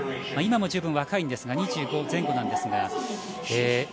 今もじゅうぶん若いですが２５前後なんですが。